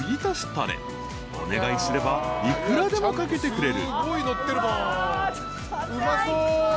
［お願いすればいくらでもかけてくれる］